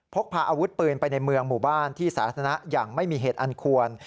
พกพาอาวุธปืนไปในเมืองหมู่บ้านที่สาธารณะอย่างไม่มีเหตุอันควร